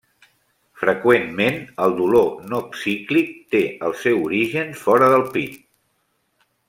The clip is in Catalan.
Freqüentment el dolor no cíclic té el seu origen fora del pit.